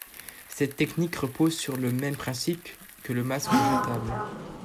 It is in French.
Cette technique repose sur le même principe que le masque jetable.